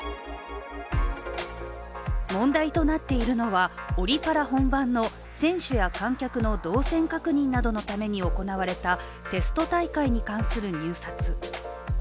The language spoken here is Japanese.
問題となっているのはオリパラ本番の選手や観客の動線確認などのために行われたテスト大会に関する入札。